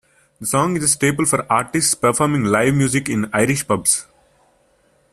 The song is a staple for artists performing live music in Irish pubs.